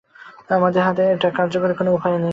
আমাদের হাতে এটা কার্যকর কোনও উপায় নেই!